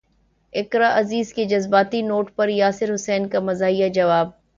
اقرا عزیز کے جذباتی نوٹ پر یاسر حسین کا مزاحیہ جواب